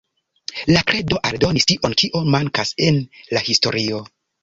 La kredo aldonis tion kio mankas en la historio.